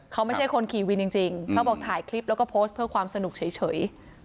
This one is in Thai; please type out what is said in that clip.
เขาไม่ใช่คนขี่วินจริงเขาบอกถ่ายคลิปแล้วก็โพสต์เพื่อความสนุกเฉย